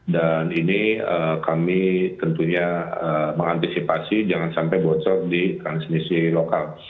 dan ini kami tentunya mengantisipasi jangan sampai bocor di transmisi lokal